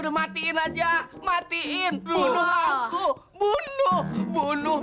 lihat ini tuh